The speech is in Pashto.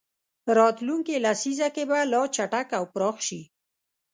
راتلونکې لسیزه کې به لا چټک او پراخ شي.